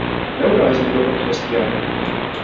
Lewra ez mirovekî hestiyar im.